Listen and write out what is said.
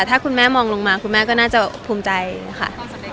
ถ้าคุณแม่มองลงมาคุณแม่ก็น่าจะภูมิใจค่ะ